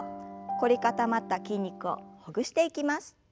凝り固まった筋肉をほぐしていきます。